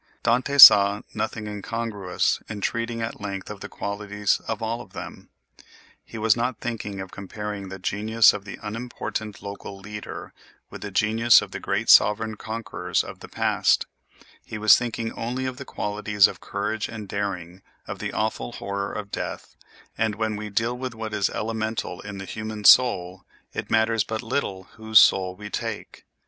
Dante saw nothing incongruous in treating at length of the qualities of all of them; he was not thinking of comparing the genius of the unimportant local leader with the genius of the great sovereign conquerors of the past—he was thinking only of the qualities of courage and daring and of the awful horror of death; and when we deal with what is elemental in the human soul it matters but little whose soul we take.